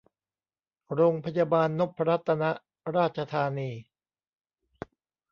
โรงพยาบาลนพรัตนราชธานี